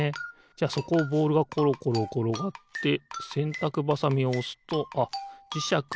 じゃあそこをボールがころころころがってせんたくばさみをおすとあっじしゃくがおちるのかな？